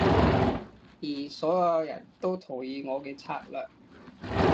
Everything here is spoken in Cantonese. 而所有人都同意我嘅策略